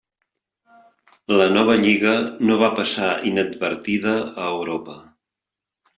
La nova Lliga no va passar inadvertida a Europa.